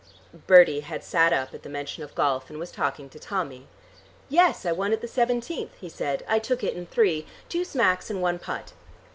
Bertie had sat up at the mention of golf and was talking to Tommy. "Yes, I won at the seventeenth," he said. "I took it in three. Two smacks and one put."